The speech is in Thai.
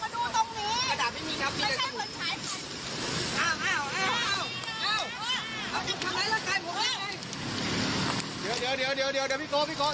เดี๋ยวเดี๋ยวเดี๋ยวเดี๋ยวเดี๋ยวเดี๋ยวพี่เขาพี่เขา